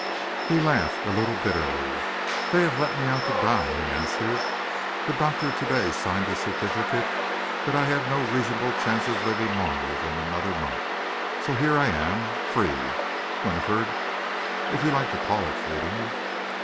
He laughed, a little bitterly. "They have let me out to die," he answered. "The doctor to day signed a certificate that I have no reasonable chance of living longer than another month, so here I am, free, Winifred, if you like to call it freedom."